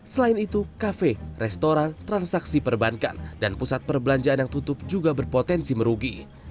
selain itu kafe restoran transaksi perbankan dan pusat perbelanjaan yang tutup juga berpotensi merugi